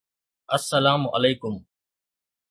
السلام عليڪم